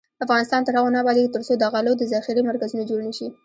افغانستان تر هغو نه ابادیږي، ترڅو د غلو د ذخیرې مرکزونه جوړ نشي.